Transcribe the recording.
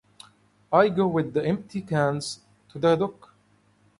I go with the empty cans to the dock.